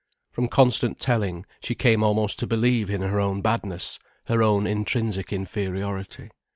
From constant telling, she came almost to believe in her own badness, her own intrinsic inferiority.